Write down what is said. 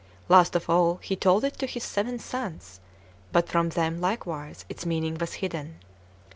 Last of all, he told it to his seven sons; but from them likewise its meaning was hidden.